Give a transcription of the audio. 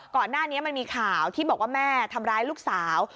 ก่อนหน้านี้มันมีข่าวที่บอกว่าแม่ทำร้ายลูกสาว